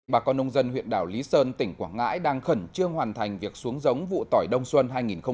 bà con nông dân huyện đảo lý sơn tỉnh quảng ngãi đang khẩn trương hoàn thành việc xuống giống vụ tỏi đông xuân hai nghìn một mươi hai nghìn hai mươi